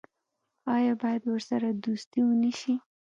آیا باید ورسره دوستي ونشي؟